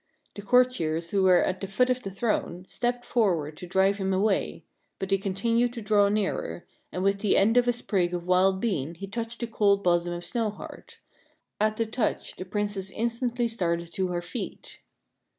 The courtiers, who were at the foot of the throne, stepped forward to drive him away ; but he con 6o THE FAIRY SPINNING WHEEL tinued to draw nearer, and with the end of a sprig of wild bean he touched the cold bosom of Snowheart. At the touch the Princess instantly started to her feet.